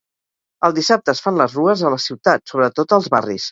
El dissabte es fan les rues a la ciutat, sobretot als barris.